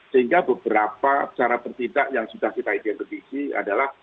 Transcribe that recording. sehingga beberapa cara bertindak yang sudah kita identifikasi adalah